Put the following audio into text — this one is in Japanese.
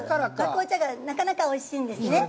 紅茶がなかなかおいしいんですね。